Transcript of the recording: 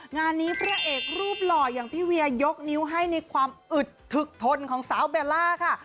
งานนี้พระเอกรูปหล่ออย่างพี่เวียยกนิ้วให้ในความอึดถึกทนของสาวเบลล่าค่ะ